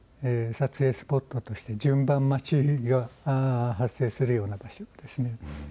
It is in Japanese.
撮影スポットとして順番待ちが発生するような場所ですね。